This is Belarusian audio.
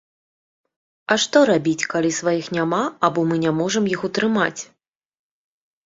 А што рабіць, калі сваіх няма або мы не можам іх утрымаць?